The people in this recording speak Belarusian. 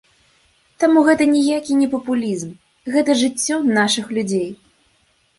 Таму гэта ніякі не папулізм, гэта жыццё нашых людзей.